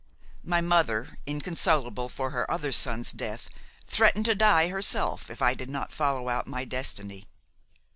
My mother, inconsolable for her other son's death, threatened to die herself if I did not follow out my destiny.